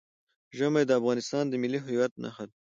ژمی د افغانستان د ملي هویت نښه ده.